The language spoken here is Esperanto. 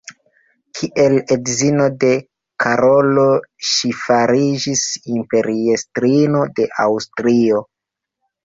Kiel edzino de Karolo ŝi fariĝis imperiestrino de Aŭstrio.